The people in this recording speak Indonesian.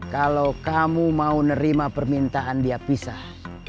kalau kamu mau nerima permintaan dia pisah